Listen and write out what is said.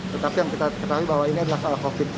tetapi yang kita ketahui bahwa ini adalah soal covid